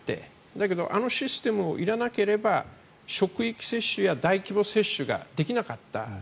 だけどあのシステムを入れなければ職域接種や大規模接種ができなかった。